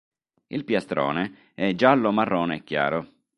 Il piastrone è giallo-marrone chiaro.